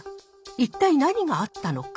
一体何があったのか？